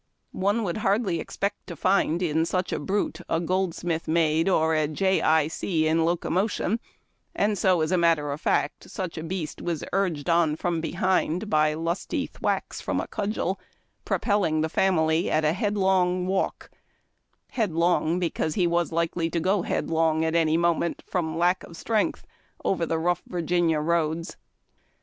One would hardly expect to find in such a brute a Goldsmith Maid or a Jay Eye See in locomotion, and so as a matter of fact such a beast was urged on from behind by lusty thwacks from a cudgel, propelling the family at a headlong ^valk — headlong, because he was likely to go headlong at any moment, from lack of strength, over the rough Virginia roads.